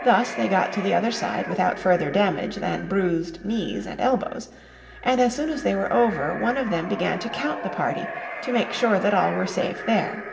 Thus they got to the other side without further damage than bruised knees and elbows, and as soon as they were over, one of them began to count the party to make sure that all were safe there.